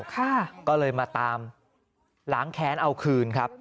ก็เลยมาตามล้างแค้นเอาคืนครับ